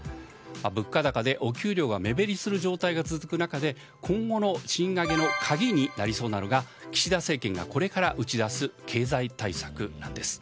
物価高でお給料が目減りする状態が続く中で今後の賃上げの鍵になりそうなのが岸田政権がこれから打ち出す経済対策です。